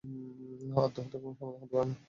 আত্মহত্যা কোন সমাধান হতে পারে না।